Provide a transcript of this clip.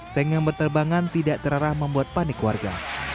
seng yang berterbangan tidak terarah membuat panik warga